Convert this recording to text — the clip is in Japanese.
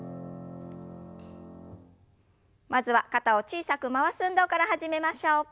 まずは肩を小さく回す運動から始めましょう。